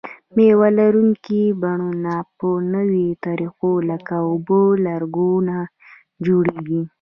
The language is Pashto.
مېوه لرونکي بڼونه په نویو طریقو لکه اوبه لګونه جوړیږي.